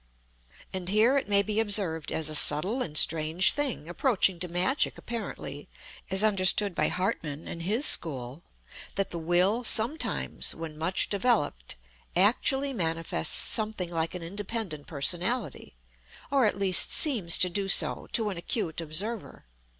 And here it may be observed as a subtle and strange thing, approaching to magic apparently, as understood by HARTMANN and his school, that the Will sometimes, when much developed, actually manifests something like an independent personality, or at least seems to do so, to an acute observer.